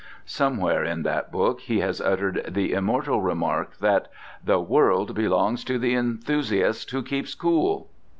Somewhere in that book he has uttered the immortal remark that "The world belongs to the Enthusiast who keeps cool."